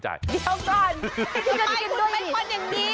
ทำไมคุณเป็นคนอย่างนี้